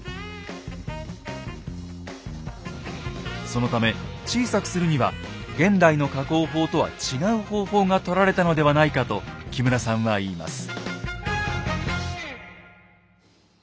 そのため小さくするには現代の加工法とは違う方法がとられたのではないかと木村さんは言います。